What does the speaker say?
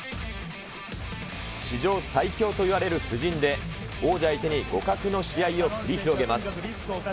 史上最強といわれる布陣で、王者相手に互角の試合を繰り広げます。